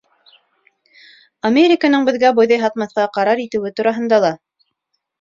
— Американың беҙгә бойҙай һатмаҫҡа ҡарар итеүе тураһында ла...